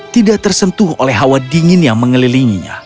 tidak tersentuh oleh hawa dingin yang mengelilinginya